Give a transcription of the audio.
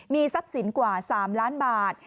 มีทรัพย์สินกว่า๓ล้านบาท